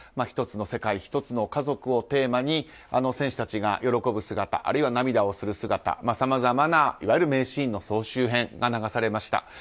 「一つの世界、一つの家族」をテーマに選手たちが喜ぶ姿あるいは涙をする姿さまざまないわゆる名シーンの総集編が流されました。